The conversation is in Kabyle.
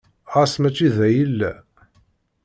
Ɣas mačči da i yella?